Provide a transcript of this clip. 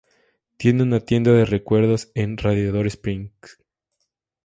Tiene una tienda de recuerdos en Radiador Springs.